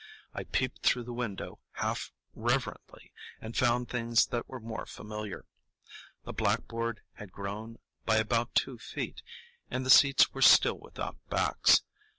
I peeped through the window half reverently, and found things that were more familiar. The blackboard had grown by about two feet, and the seats were still without backs.